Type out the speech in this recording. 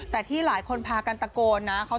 แต่ที่หลายคนพากันตะโกนนะ